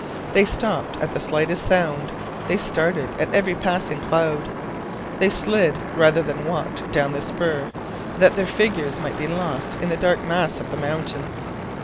They stopped at the slightest sound, they started at every passing cloud. They slid rather than walked down the spur, that their figures might be lost in the dark mass of the mountain.